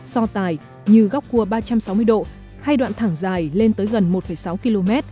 so tài như góc cua ba trăm sáu mươi độ hay đoạn thẳng dài lên tới gần một sáu km